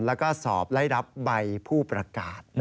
แล้วก็สอบไล่รับใบผู้ประกาศ